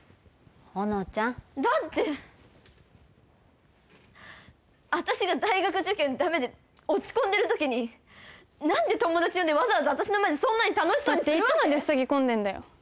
ほのちゃんだって私が大学受験ダメで落ち込んでる時に何で友達呼んでわざわざ私の前でそんなに楽しそうにするわけ？だっていつまでふさぎ込んでんだよ